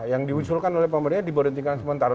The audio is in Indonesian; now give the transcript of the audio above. yang diusulkan oleh pemerintah diberhentikan sementara